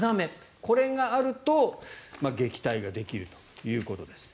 これがあると撃退ができるということです。